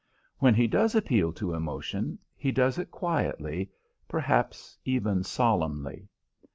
When he does appeal to emotion, he does it quietly, perhaps even solemnly.